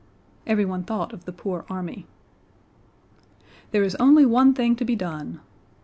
Everyone thought of the poor army. "There is only one thing to be done."